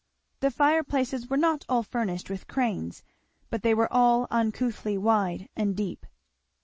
The fireplaces were not all furnished with cranes, but they were all uncouthly wide and deep.